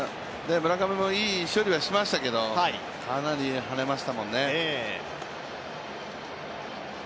村上もいい処理はしましたけどかなりはねましたもんね。